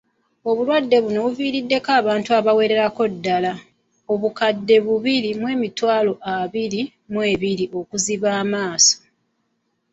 Era obulwadde buno buviriiddeko abantu abawererako ddala, obukadde bubiri mu emitwalo abiri, okuziba amaaso